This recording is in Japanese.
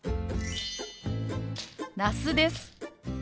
那須です。